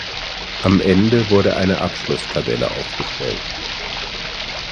Am Ende wurde eine Abschlusstabelle aufgestellt.